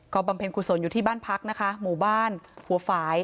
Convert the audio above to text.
บำเพ็ญกุศลอยู่ที่บ้านพักนะคะหมู่บ้านหัวฝ่าย